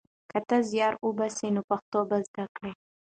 که ته زیار وباسې نو پښتو به زده کړې.